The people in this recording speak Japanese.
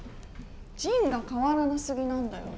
仁が変わらな過ぎなんだよ。